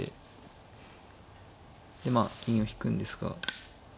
でまあ銀を引くんですが。